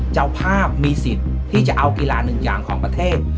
เจ้าภาพมีสิทธิ์ที่จะเอากีฬาหนึ่งอย่างของประเทศ